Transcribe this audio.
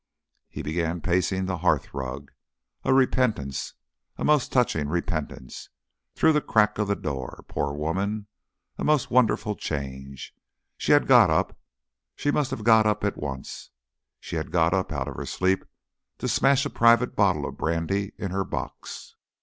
He began pacing the hearthrug. "A repentance a most touching repentance through the crack of the door. Poor woman! A most wonderful change! She had got up. She must have got up at once. She had got up out of her sleep to smash a private bottle of brandy in her box.